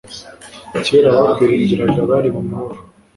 kera abakwiringiraga bari mu mahoro